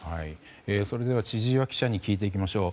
それでは千々岩記者に聞いていきましょう。